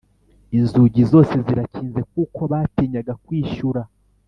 Inzugi zose zirakinze kuko batinyaga kwishyura